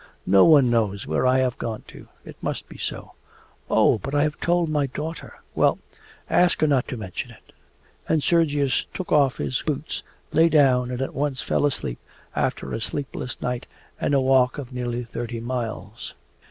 No one knows where I have gone to. It must be so.' 'Oh, but I have told my daughter.' 'Well, ask her not to mention it.' And Sergius took off his boots, lay down, and at once fell asleep after a sleepless night and a walk of nearly thirty miles.